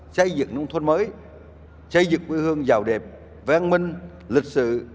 xây dựng nông thôn mới xây dựng quê hương giàu đẹp vang minh lịch sự